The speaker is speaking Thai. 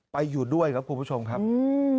ไปอยู่ด้วยครับคุณผู้ชมครับ